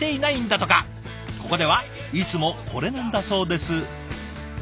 ここではいつもこれなんだそうです。